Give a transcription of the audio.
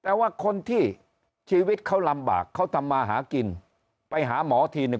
แต่ว่าคนที่ชีวิตเขาลำบากเขาทำมาหากินไปหาหมอทีนึง